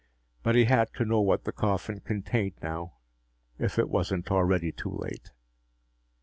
But he had to know what the coffin contained now, if it wasn't already too late.